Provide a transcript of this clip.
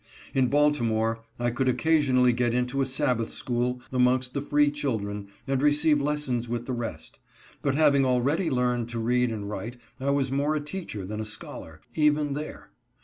In Baltimore I could occasionally get into a Sabbath school amongst the free children and receive lessons with the rest ; but having already learned to read and write I was more a teacher than a scholar, even there.